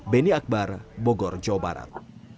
beni akbar bogor jawa barat